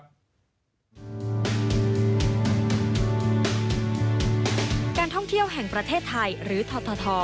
การท่องเที่ยวแห่งประเทศไทยหรือทท